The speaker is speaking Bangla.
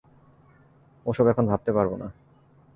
ওসব এখন ভাবতে পারব না।